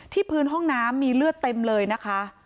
พื้นห้องน้ำมีเลือดเต็มเลยนะคะ